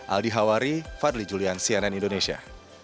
aldi hawari fadli julian cnn indonesia